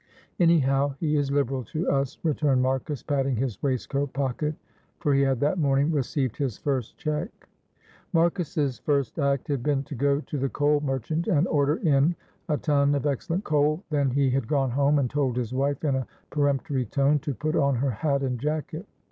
"Anyhow, he is liberal to us," returned Marcus, patting his waistcoat pocket, for he had that morning received his first cheque. Marcus's first act had been to go to the coal merchant and order in a ton of excellent coal, then he had gone home and told his wife in a peremptory tone to put on her hat and jacket.